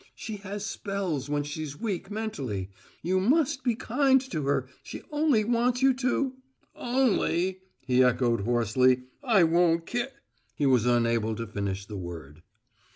"She has spells when she's weak mentally. You must be kind to her. She only wants you to " "`_Only_'!" he echoed hoarsely. "I won't ki " He was unable to finish the word.